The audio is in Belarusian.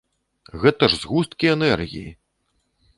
Гэта ж згусткі энергіі!